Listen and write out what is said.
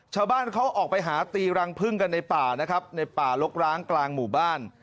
ชาวบ้านเขาออกไปหาตีรังพึ่งกันในป่านะครับในป่าลกร้างกลางหมู่บ้าน